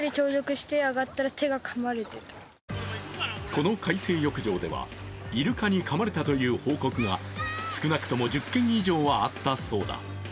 この海水浴場ではイルカにかまれたという件が少なくとも１０件以上はあったそうだ。